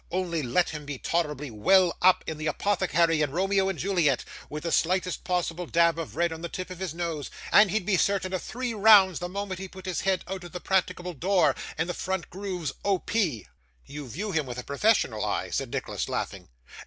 Only let him be tolerably well up in the Apothecary in Romeo and Juliet, with the slightest possible dab of red on the tip of his nose, and he'd be certain of three rounds the moment he put his head out of the practicable door in the front grooves O.P.' 'You view him with a professional eye,' said Nicholas, laughing.